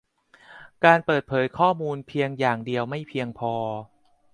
การเปิดเผยข้อมูลเพียงอย่างเดียวไม่เพียงพอ